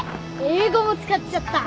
英語も使っちゃった。